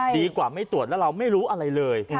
ดีกว่าไม่ตรวจแล้วเราไม่รู้อะไรเลย